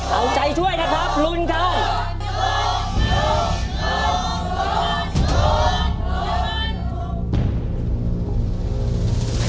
เอาใจช่วยนะครับลุ้นกัน